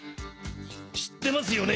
知ってますよね？